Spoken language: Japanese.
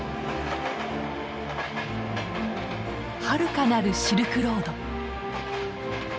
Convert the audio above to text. はるかなるシルクロード。